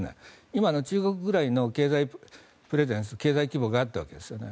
今の中国ぐらいの経済プレゼンス経済規模があったわけですね。